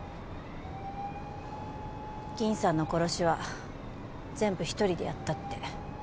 銀さんの殺しは全部一人でやったって。